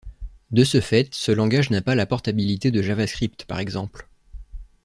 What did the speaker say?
De ce fait ce langage n'a pas la portabilité de JavaScript par exemple.